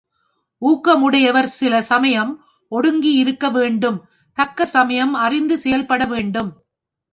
ஊக்கம் உடையவர் சில சமயம் ஒடுங்கி இருக்க வேண்டும் தக்க சமயம் அறிந்து செயல்பட வேண்டும்.